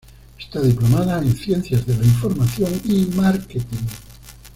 Está diplomada en ciencias de la información y márketing.